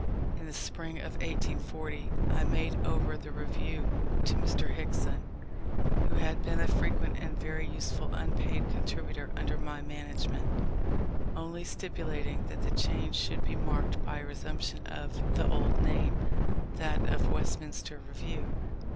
In the spring of 1840 I made over the Review to Mr. Hickson, who had been a frequent and very useful unpaid contributor under my management: only stipulating that the change should be marked by a resumption of the old name, that of Westminster Review.